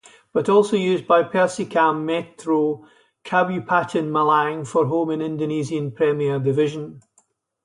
But also used by Persekam Metro Kabupaten Malang for home in Indonesian Premier Division.